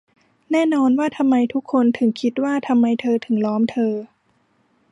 แน่นอนว่าทำไมทุกคนถึงคิดว่าทำไมเธอถึงล้อมเธอ